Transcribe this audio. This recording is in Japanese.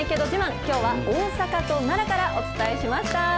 きょうは大阪と奈良からお伝えしました。